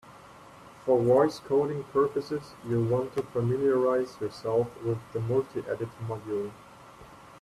For voice coding purposes, you'll want to familiarize yourself with the multiedit module.